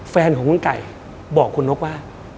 แฟนของคุณไก่บอกคุณนกว่า